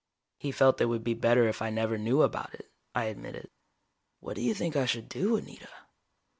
"He felt it would be better if I never knew about it," I admitted. "What do you think I should do, Anita?"